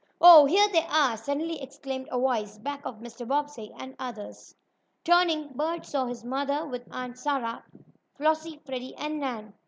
"Oh, here they are!" suddenly exclaimed a voice back of Mr. Bobbsey and the others. Turning, Bert saw his mother, with Aunt Sarah, Flossie, Freddie and Nan.